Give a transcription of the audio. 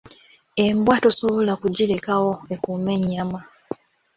Embwa tosobola kugirekawo ekuume ennyama.